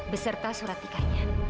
beserta surat tikahnya